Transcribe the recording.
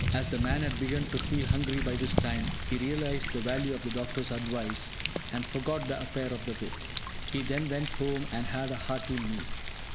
As the man had begun to feel hungry by this time, he realised the value of the doctor's advice, and forgot the affair of the whip. He then went home and had a hearty meal.